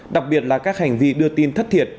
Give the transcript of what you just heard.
đặc biệt là các hành vi đưa tin thất thiệt